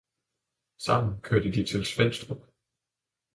Sammen kørte de til Svenstrup